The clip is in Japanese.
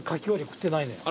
食ってないのよ。